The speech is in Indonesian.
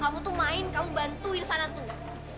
kamu tuh main kamu bantu yang sana tuh